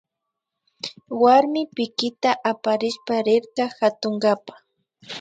Warmi kipita aparishpa rirka katunkapa